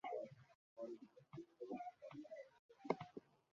Rio ওপেনের ফাইনালে ওঠার পথে তিনি হারিয়েছিলেন আরেক স্প্যানিশ তারকা ডেভিড ফেরারকে।